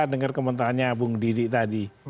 dengar komentarnya bung didi tadi